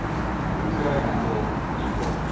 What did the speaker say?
ウクライナと日本。